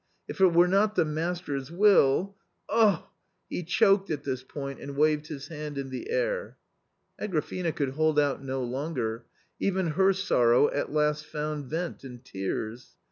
If it were not the master's will — oh !" He choked at this point, and waved his hand in the air. Agrafena could hold out no longer ; even her sorrow at last found vent in tears.